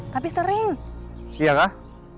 tapi sering iya kah